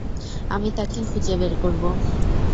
আমি তাকে খুঁজে বের করব।